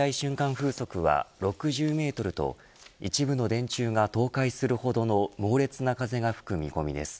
風速は６０メートルと一部の電柱が倒壊するほどの猛烈な風が吹く見込みです。